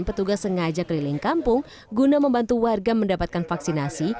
petugas sengaja keliling kampung guna membantu warga mendapatkan vaksinasi